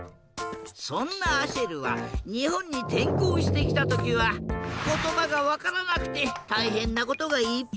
そんなアシェルはにほんにてんこうしてきたときはことばがわからなくてたいへんなことがいっぱいあったんだ。